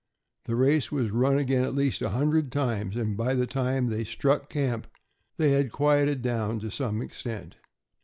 The race was run again at least a hundred times, and by the time they struck camp they had quieted down to some extent.